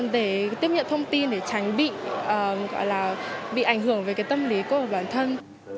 để tiếp nhận thông tin để tránh bị ảnh hưởng về tâm lý của bản thân